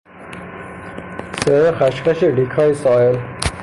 صدای خش خش ریگهای ساحل